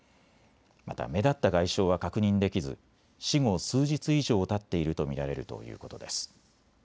また目立った外傷は確認できず死後、数日以上たっていると見られるということです。